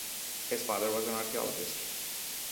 His father was an archaeologist.